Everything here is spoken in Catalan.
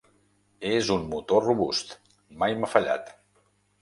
És un motor robust, mai m'ha fallat.